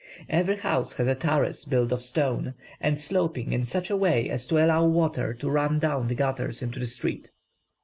Every house has a terrace built of stone, and sloping in such a way as to allow water to run down the gutters into the street.